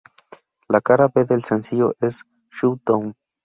La cara B del sencillo es "Shut Down".